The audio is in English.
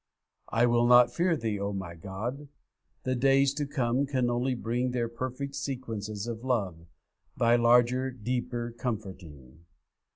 'I will not fear Thee, O my God! The days to come can only bring Their perfect sequences of love, Thy larger, deeper comforting.